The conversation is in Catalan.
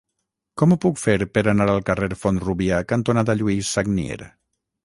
Com ho puc fer per anar al carrer Font-rúbia cantonada Lluís Sagnier?